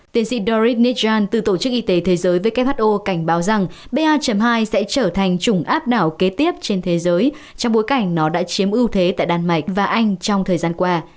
tiến sĩ dorid nechal từ tổ chức y tế thế giới who cảnh báo rằng ba hai sẽ trở thành chủng áp đảo kế tiếp trên thế giới trong bối cảnh nó đã chiếm ưu thế tại đan mạch và anh trong thời gian qua